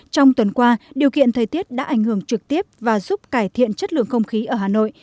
trong tuần qua điều kiện thời tiết đã ảnh hưởng trực tiếp và giúp cải thiện chất lượng không khí ở hà nội